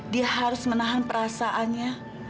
dia harus menahan perasaannya